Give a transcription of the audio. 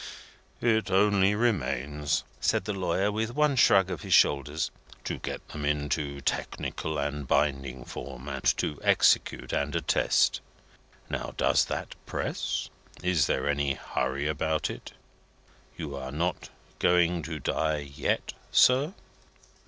"It only remains," said the lawyer, with one shrug of his shoulders, "to get them into technical and binding form, and to execute and attest. Now, does that press? Is there any hurry about it? You are not going to die yet, sir."